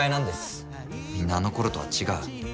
みんなあのころとは違う。